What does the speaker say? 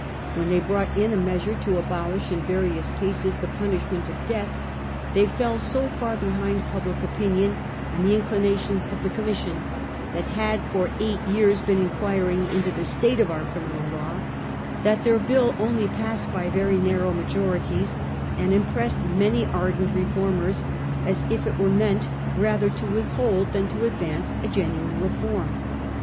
When they brought in a measure to abolish in various cases the p unishm ent of death, they fell so far behind public opinion and the inclinations of the Commission that had for eight years been inquiring into the state of our criminal law, that their bill only passed by very narrow majo rities, and impressed many ardent reformers as if it were meant rather to withhold than to advance a genuine reform.